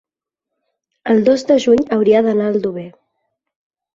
el dos de juny hauria d'anar a Aldover.